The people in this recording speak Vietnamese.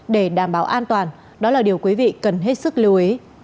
để đảm bảo an toàn đó là điều quý vị cần hết sức lưu ý